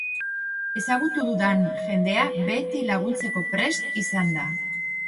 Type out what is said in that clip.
Ezagutu dudan jendea beti laguntzeko prest izan da.